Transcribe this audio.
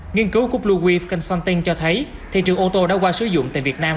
nghiên cứu của bluewave consulting cho thấy thị trường ô tô đã qua sử dụng tại việt nam